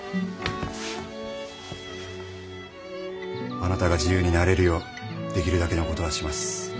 あなたが自由になれるようできるだけの事はします。